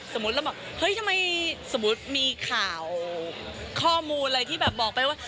สมมุติเราบอกเฮ้ยทำไมสมมุติมีข่าวข้อมูลอะไรที่แบบบอกไปว่า